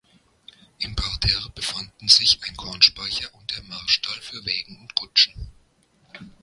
Im Parterre befanden sich ein Kornspeicher und der Marstall für Wägen und Kutschen.